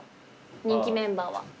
人気メンバーは。